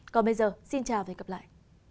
còn bây giờ xin chào và hẹn gặp lại